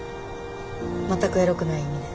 全くエロくない意味で。